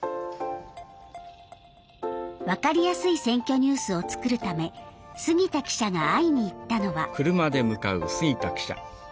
分かりやすい「選挙ニュース」を作るため杉田記者が会いに行ったのは。